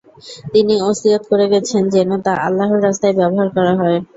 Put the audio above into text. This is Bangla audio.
তিনি অসীয়ত করে গেছেন যেন তা আল্লাহর রাস্তায় ব্যবহার করা হয়।